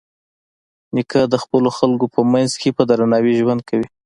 نیکه د خپلو خلکو په منځ کې په درناوي ژوند کوي.